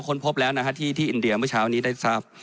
ค้นพบแล้วนะฮะที่อินเดียเมื่อเช้านี้ได้ทราบ